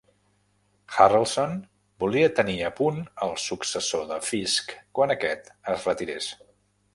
Harrelson volia tenir a punt el successor de Fisk quan aquest es retirés.